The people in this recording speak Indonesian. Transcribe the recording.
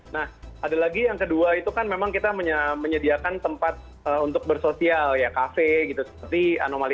nah ada lagi yang kedua itu kan memang kita menyediakan tempat untuk bersosial ya kafe gitu seperti anomali